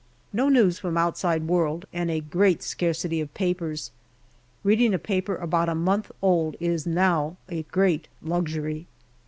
No news from outside world, and a great scarcity of papers. Reading a paper about a month old is now a great luxury.